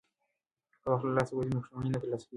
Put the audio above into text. که وخت له لاسه ووځي نو په پښېمانۍ نه ترلاسه کېږي.